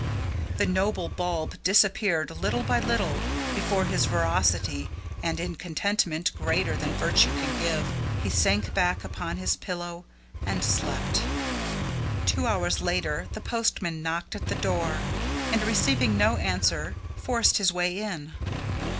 The noble bulb disappeared little by little before his voracity, and in contentment greater than virtue can give, he sank back upon his pillow and slept. Two hours later the postman knocked at the door, and receiving no answer, forced his way in.